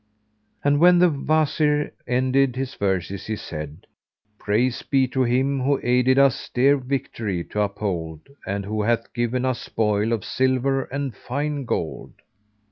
And when the Wazir ended his verses, he said, "Praise be to Him who aided us dear victory to uphold and who hath given us spoil of silver and fine gold!"